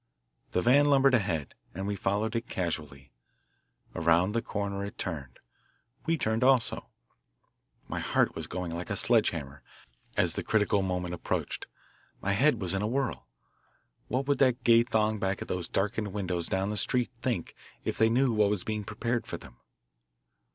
The van lumbered ahead, and we followed it casually. Around the corner it turned. We turned also. My heart was going like a sledgehammer as the critical moment approached. My head was in a whirl. What would that gay throng back of those darkened windows down the street think if they knew what was being prepared for them?